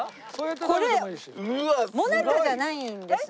これもなかじゃないんですね